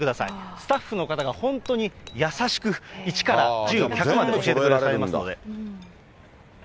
スタッフの方が本当に優しく１から１０、１００まで教えてくださいますから。